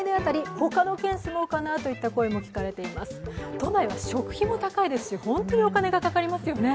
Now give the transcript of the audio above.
都内は食費も高いですし本当にお金がかかりますよね。